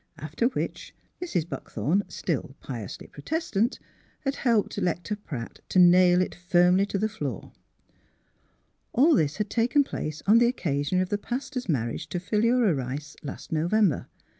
After which Mrs. Buckthorn, still j^iously protest ant, had helped Electa Pratt to nail it firmly to 26 THE HEART OF PHILUEA the floor. All this had taken place on the occa sion of the pastor's marriage to Philura Rice, last November.